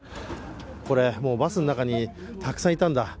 これもう、バスの中にたくさんいたんだ。